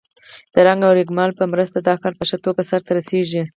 د رنګ او رېګمال په مرسته دا کار په ښه توګه سرته رسیږي.